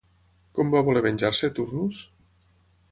Com va voler venjar-se, Turnus?